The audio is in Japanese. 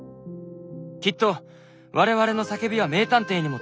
きっと我々の叫びは名探偵にも届いている」。